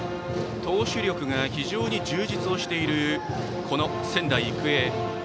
投手力が非常に充実してる仙台育英。